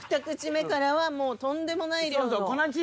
２口目からはもうとんでもない量の。